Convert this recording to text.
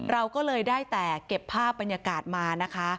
เราก็เลยได้แต่เก็บภาพบรรยากาศมานะคะ